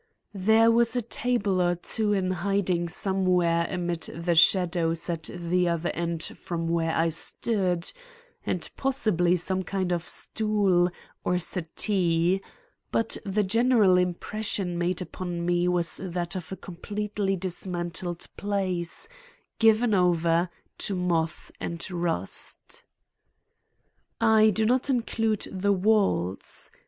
There was a table or two in hiding somewhere amid the shadows at the other end from where I stood, and possibly some kind of stool or settee; but the general impression made upon me was that of a completely dismantled place given over to moth and rust. I do not include the walls.